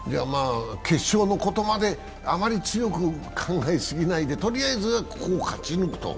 決勝のことまで、あまり強く考え過ぎないでとりあえずここを勝ち抜くと。